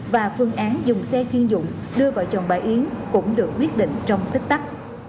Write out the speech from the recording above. và phương án dùng xe khuyên dụng đưa vợ chồng bà yến cũng được quyết định trong thích tắc